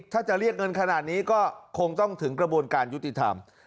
ถ้าจะเรียกเงินขนาดนี้ก็คงต้องถึงกระบวนการยุติธรรม